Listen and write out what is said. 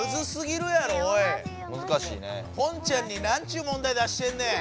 ポンちゃんになんちゅうもんだい出してんねん！